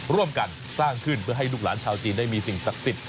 ร่วมกันสร้างขึ้นเพื่อให้ลูกหลานชาวจีนได้มีสิ่งศักดิ์สิทธิ